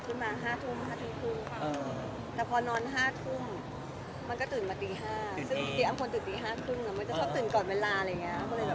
กับน้องมิ๊กเป็นยังไงบ้างเขาด้วย